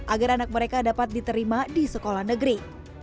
agar anak mereka dapat diterima di sekolah negeri